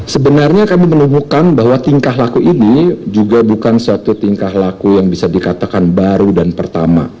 sebenarnya kami menemukan bahwa tingkah laku ini juga bukan suatu tingkah laku yang bisa dikatakan baru dan pertama